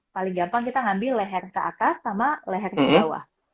paling gampang kita ngambil leher ke atas sama leher ke bawah